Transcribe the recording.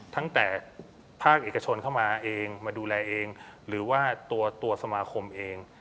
ตั้งแต่ภาคเอกชนเข้ามาเองมาดูแลเองหรือว่าตัวสมาคมเอง